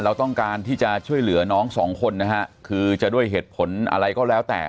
เราต้องการที่จะช่วยเหลือน้องสองคนนะฮะคือจะด้วยเหตุผลอะไรก็แล้วแต่